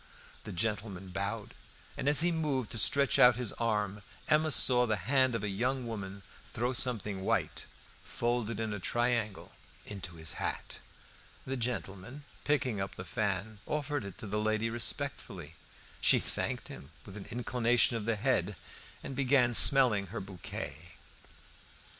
The gentleman bowed, and as he moved to stretch out his arm, Emma saw the hand of a young woman throw something white, folded in a triangle, into his hat. The gentleman, picking up the fan, offered it to the lady respectfully; she thanked him with an inclination of the head, and began smelling her bouquet.